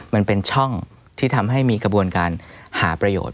มันเป็นช่องที่ทำให้มีกระบวนการหาประโยชน์